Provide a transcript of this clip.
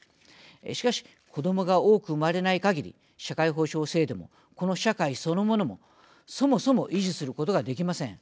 しかし、子どもが多く生まれないかぎり社会保障制度もこの社会そのものもそもそも維持することはできません。